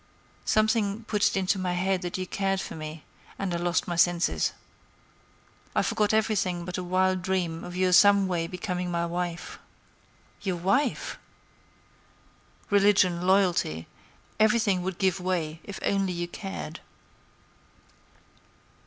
"Something put into my head that you cared for me; and I lost my senses. I forgot everything but a wild dream of your some way becoming my wife." "Your wife!" "Religion, loyalty, everything would give way if only you cared."